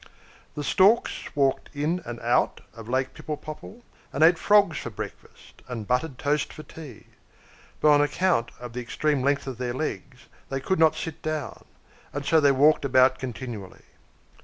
The Storks walked in and out of the Lake Pipple Popple, and ate frogs for breakfast, and buttered toast for tea; but on account of the extreme length of their legs they could not sit down, and so they walked about continually.